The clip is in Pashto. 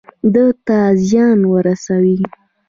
ده ته زيان ورسوي.